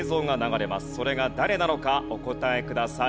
それが誰なのかお答えください。